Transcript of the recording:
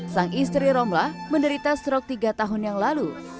sang istri romlah menderita strok tiga tahun yang lalu